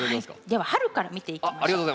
では春から見ていきましょう。